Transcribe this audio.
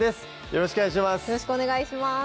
よろしくお願いします